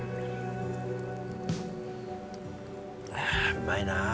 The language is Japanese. うまいなあ。